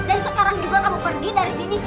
dan sekarang juga kamu pergi dari sini